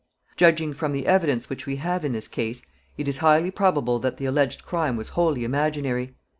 Judging from the evidence which we have in this case, it is highly probable that the alleged crime was wholly imaginary.